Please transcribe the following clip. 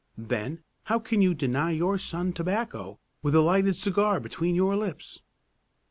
Then, how can you deny your son tobacco, with a lighted cigar between your lips?"